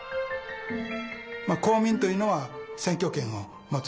公民というのは選挙権を持つ人ですね。